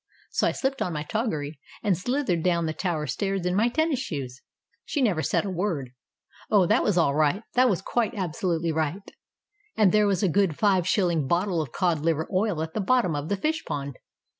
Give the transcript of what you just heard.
So I slipped on my toggery and slithered down the tower stairs in my tennis shoes. She never said a word. Oh, that was all right that was quite absolutely right! And there's a good five shilling bottle of cod liver oil at the bottom of the fish pond."